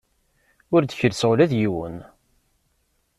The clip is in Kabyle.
Ur d-kellseɣ ula d yiwen.